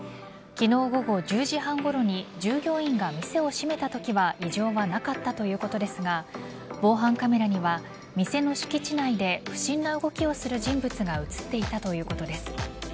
昨日午後１０時半ごろに従業員が店を閉めたときは異常はなかったということですが防犯カメラには、店の敷地内で不審な動きをする人物が映っていたということです。